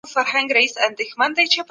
حقدار ته خپل حق سپارل عدالت دی.